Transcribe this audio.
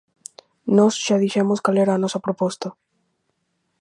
Nós xa dixemos cal era a nosa proposta.